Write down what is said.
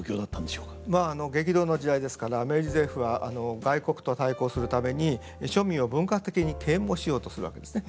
まあ激動の時代ですから明治政府は外国と対抗するために庶民を文化的に啓蒙しようとするわけですね。